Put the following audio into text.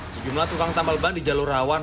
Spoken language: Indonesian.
sejumlah tukang tambal ban di jalur rawan